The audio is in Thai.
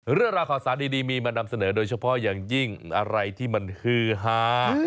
เรื่องราวข่าวสารดีมีมานำเสนอโดยเฉพาะอย่างยิ่งอะไรที่มันฮือฮา